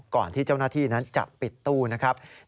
ก่อนที่เจ้าหน้าที่นั้นจะปิดตู้นะครับ